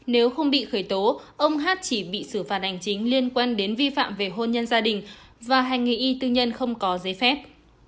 nếu không bị khởi tố ông hát chỉ bị xử phạt hành chính liên quan đến vi phạm về hôn nhân gia đình và hành nghề y tư nhân không có giấy phép